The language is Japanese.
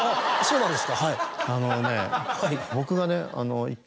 そうなんですか。